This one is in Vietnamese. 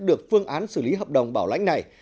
được phương án xử lý hợp đồng bảo lãnh này